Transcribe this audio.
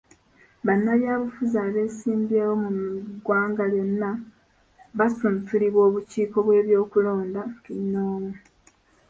Bannabyabufuzi abeesimbyewo mu ggwanga lyonna basunsulibwa obukiiko bw'ebyokulonda kinnoomu.